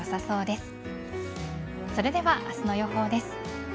それでは明日の予報です。